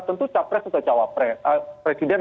tentu capres itu saja presiden